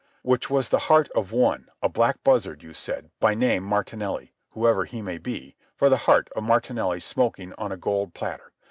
"Which was the heart of one, a black buzzard, you said, by name Martinelli—whoever he may be—for the heart of Martinelli smoking on a gold platter.